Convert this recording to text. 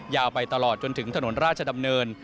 ยาวไปตลอดจนถึงถนนราชดำเนิน